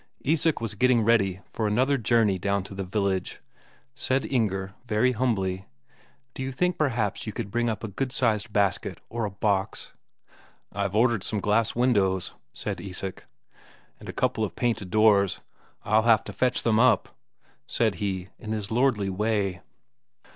Isak was getting ready for another journey down to the village. Said Inger very humbly: "Do you think perhaps you could bring up a good sized basket, or a box?" "I've ordered some glass windows," said Isak. "and a couple of painted doors. I'll have to fetch them up," said he in his lordly way.